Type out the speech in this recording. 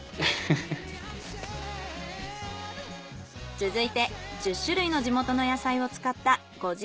続いて１０種類の地元の野菜を使った呉汁。